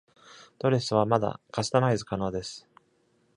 ドレスはまだカスタマイズ可能です。